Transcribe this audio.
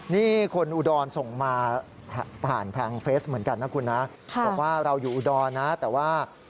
นี่คนอุดรส่งมาผ่านทางเฟสเหมือนกันนะคุณนะ